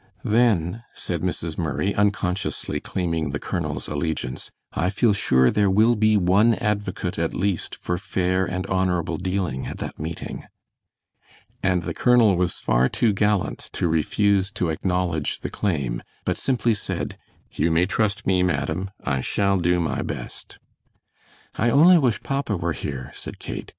"Then," said Mrs. Murray, unconsciously claiming the colonel's allegiance, "I feel sure there will be one advocate at least for fair and honorable dealing at that meeting." And the colonel was far too gallant to refuse to acknowledge the claim, but simply said: "You may trust me, madam; I shall do my best." "I only wish papa were here," said Kate.